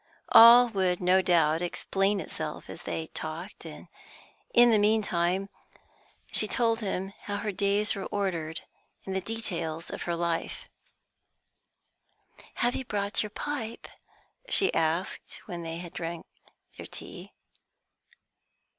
All would no doubt explain itself as they talked; in the meantime she told him how her days were ordered, and the details of her life. "Have you brought your pipe?" she asked, when they had drank their tea.